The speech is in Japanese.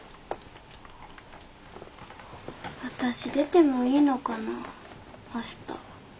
私出てもいいのかなあした。